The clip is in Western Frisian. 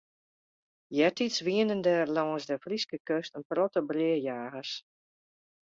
Eartiids wienen der lâns de Fryske kust in protte breajagers.